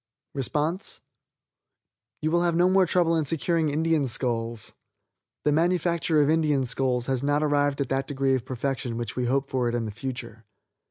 You will have no more trouble in securing Indian skulls. The manufacture of Indian skulls has not arrived at that degree of perfection which we hope for it in the future.